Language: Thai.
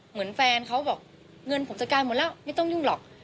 เหมือนแฟนเขาบอกเงินผมจัดการหมดแล้วไม่ต้องยุ่งหรอก